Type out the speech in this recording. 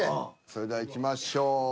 それではいきましょう。